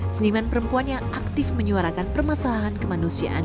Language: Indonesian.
seniman perempuan yang aktif menyuarakan permasalahan kemanusiaan